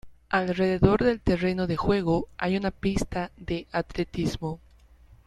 Alrededor del terreno de juego hay una pista de atletismo.